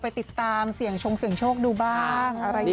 ไปติดตามเสี่ยงชงเสียงโชคดูบ้างอะไรอย่างนี้